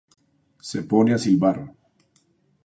Se pone a silbar.